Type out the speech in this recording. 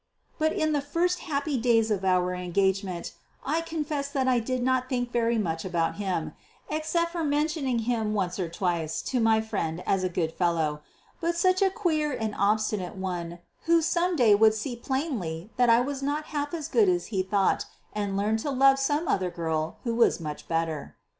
But in the first happy days of our engagement I confess that I did not think very much about him, except for mentioning him once or twice to my friend as a good fellow, but such a queer and obstinate one, who some day would see plainly that I was not half as good as he thought, and learn to love some other girl who was much better.